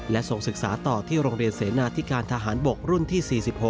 และส่งศึกษาต่อที่โรงเรียนเสนาธิการทหารบกรุ่นที่๔๖